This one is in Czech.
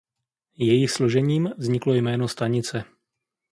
Jejich složením vzniklo jméno stanice.